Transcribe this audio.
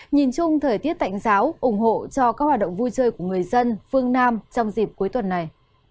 nhìn chung thời tiết tạnh giáo ủng hộ cho các hoạt động vui chơi của người dân phương nam trong dịp cuối tuần này